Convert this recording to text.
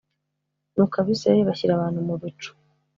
nuko abisirayeli bashyira abantu mu bico